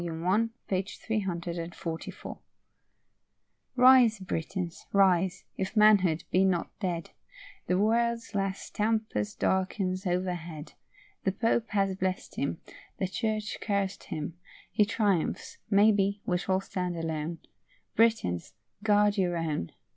I, p. 344.] Rise, Britons, rise, if manhood be not dead; The world's last tempest darkens overhead; The Pope has bless'd him; The Church caress'd him; He triumphs; maybe, we shall stand alone: Britons, guard your own.